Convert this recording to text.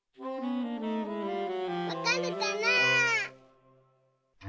わかるかな？